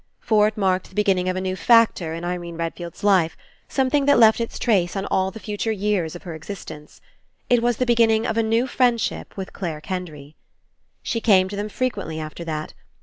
For It marked the beginning of a new factor In Irene Redfield's life, something that left its trace on all the future years of her existence. It was the beginning of a new friendship with Clare Ken dry. She came to them frequently after that.